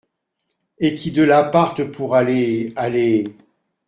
Et qui de la partent pour aller, aller…